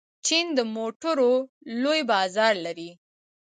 چین د موټرو لوی بازار لري.